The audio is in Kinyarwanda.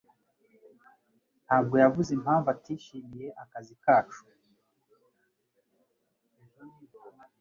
ntabwo yavuze impamvu atishimiye akazi kacu.